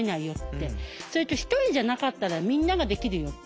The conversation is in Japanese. それって一人じゃなかったらみんなができるよって。